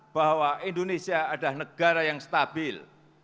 bahwa indonesia adalah negara yang stabil